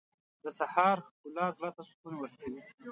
• د سهار ښکلا زړه ته سکون ورکوي.